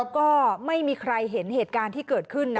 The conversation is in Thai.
ก็ไม่มีใครเห็นเหตุการณ์ที่เกิดขึ้น